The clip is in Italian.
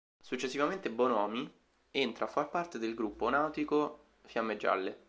Successivamente Bonomi entra a fare parte del Gruppo Nautico Fiamme Gialle.